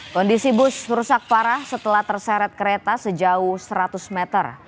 kondisi bus rusak parah setelah terseret kereta sejauh seratus meter